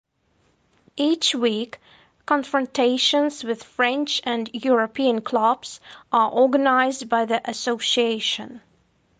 Each week confrontations with French and European clubs are organized by the Association.